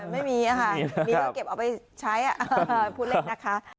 ไม่มีค่ะมีก็เก็บเอาไปใช้พูดเล่นนะคะ